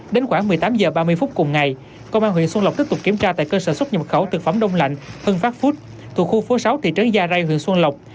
đến khoảng một mươi tám h ba mươi phút cùng ngày công an huyện xuân lộc tiếp tục kiểm tra tại cơ sở xuất nhập khẩu thực phẩm đông lạnh hân pháp food thuộc khu phố sáu thị trấn gia rai huyện xuân lộc